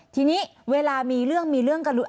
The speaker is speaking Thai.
ทีนี้เวลามีเรื่องมีเรื่องกัน